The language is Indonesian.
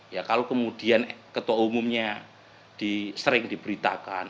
ya kalau kemudian ketua umumnya sering diberitakan